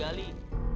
balikin duit gua mana